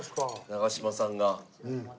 長嶋さんが。